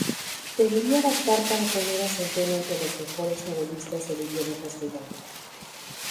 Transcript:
Debería bastar para poner a Centeno entre los mejores novelistas del idioma castellano.